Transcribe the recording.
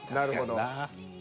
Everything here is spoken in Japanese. なるほど。